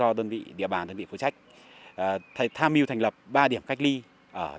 ở hà giang hà giang hà giang hà giang hà giang hà giang hà giang hà giang hà giang